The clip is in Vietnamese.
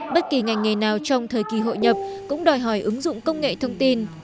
bất kỳ ngành nghề nào trong thời kỳ hội nhập cũng đòi hỏi ứng dụng công nghệ thông tin